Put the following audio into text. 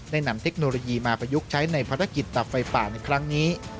นำเทคโนโลยีมาประยุกต์ใช้ในภารกิจดับไฟป่าในครั้งนี้